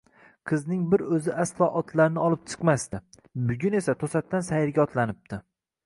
Qizning bir o`zi aslo otlarni olib chiqmasdi, bugun esa to`satdan sayrga otlanibdi